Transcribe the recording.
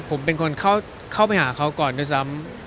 ผมเป็นคนเข้าไปหาเขาก่อนด้วยซ้ำ